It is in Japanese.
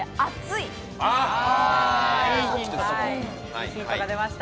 いいヒントが出ました。